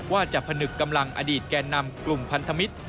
ว่าจะผนึกกำลังอดีตแก่นำกลุ่มพันธมิตร